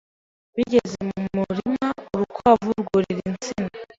bigeze mu murima, urukwavu rwurira insina